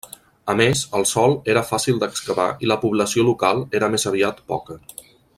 A més, el sòl era fàcil d'excavar i la població local era més aviat poca.